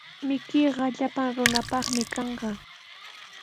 Mikuyqa llapan runapaqmi kanqa.